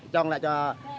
trong là cho